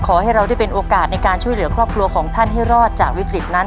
ขอให้เราได้เป็นโอกาสในการช่วยเหลือครอบครัวของท่านให้รอดจากวิกฤตนั้น